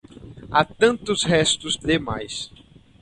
Há tantos restos demais.